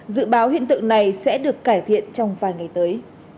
dự báo hiện tượng này sẽ được cải thiện trong vài ngày tới